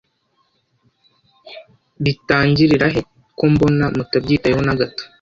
Bitangirirahe ko mbona mutabyitayeho nagato